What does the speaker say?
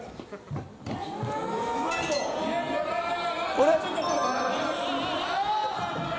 「あれ？」